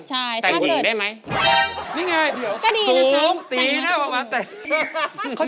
ใช่ค่ะทำงานแล้ว